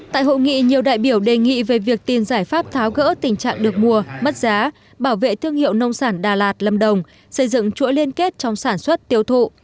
tại hội nghị nhiều đại biểu đề nghị về việc tìm giải pháp tháo gỡ tình trạng được mua mất giá bảo vệ thương hiệu nông sản đà lạt lâm đồng xây dựng chuỗi liên kết trong sản xuất tiêu thụ